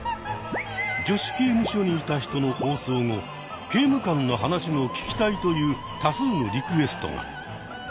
「女子刑務所にいた人」の放送後「刑務官の話も聞きたい」という多数のリクエストが！